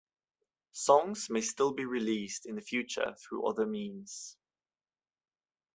Songs may still be released in the future through other means.